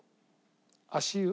足湯。